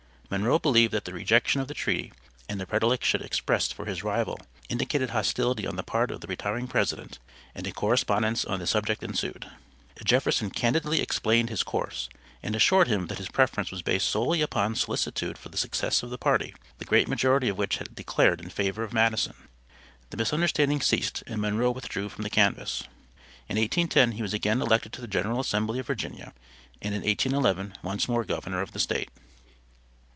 Monroe believed that the rejection of the treaty and the predilection expressed for his rival indicated hostility on the part of the retiring President, and a correspondence on the subject ensued. Jefferson candidly explained his course and assured him that his preference was based solely upon solicitude for the success of the party, the great majority of which had declared in the favor of Madison. The misunderstanding ceased and Monroe withdrew from the canvass. In 1810 he was again elected to the general assembly of Virginia, and in 1811 once more Governor of the State.